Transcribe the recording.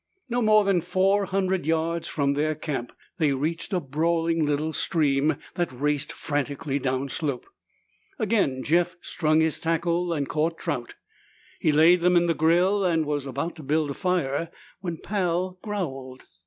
No more than four hundred yards from their camp they reached a brawling little stream that raced frantically downslope. Again Jeff strung his tackle and caught trout. He laid them in the grill and was about to build a fire when Pal growled.